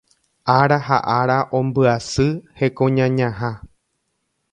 ára ha ára ombyasy hekoñañaha